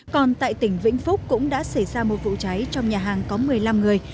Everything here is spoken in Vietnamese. còn tại tỉnh vĩnh phúc cũng đã xảy ra một vụ cháy trong nhà hàng có một mươi năm người